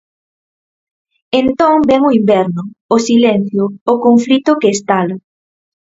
Entón vén o inverno, o silencio, o conflito que estala.